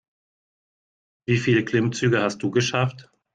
Wie viele Klimmzüge hast du geschafft?